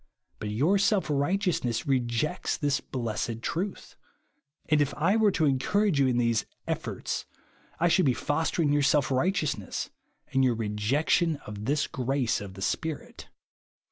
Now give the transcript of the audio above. But your self righteousness re jects this blessed truth •, and if I were to encourage you in these " efforts," I should be fostering your self righteousness and your rejection of this grace of the Spirit.